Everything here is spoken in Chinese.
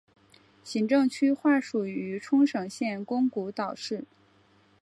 行政区划属于冲绳县宫古岛市。